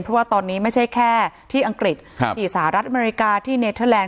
เพราะว่าตอนนี้ไม่ใช่แค่ที่อังกฤษที่สหรัฐอเมริกาที่เนเทอร์แลนด